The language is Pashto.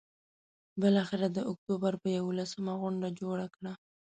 بالآخره د اکتوبر پر یوولسمه غونډه جوړه کړه.